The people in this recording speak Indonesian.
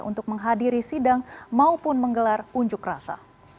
untuk menghadiri sidang maupun menggelar unjuk rasa